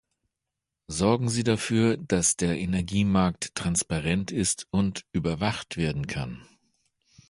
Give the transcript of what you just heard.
Sorgen Sie dafür, dass der Energiemarkt transparent ist und überwacht werden kann.